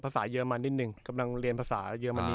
เยอรมันนิดนึงกำลังเรียนภาษาเยอรมนี